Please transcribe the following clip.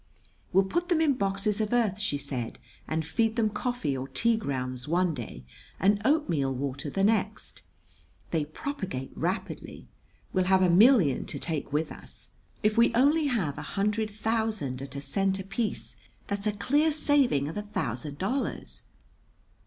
"We'll put them in boxes of earth," she said, "and feed them coffee or tea grounds one day and oatmeal water the next. They propagate rapidly. We'll have a million to take with us. If we only have a hundred thousand at a cent apiece, that's a clear saving of a thousand dollars."